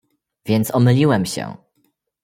"więc omyliłem się!"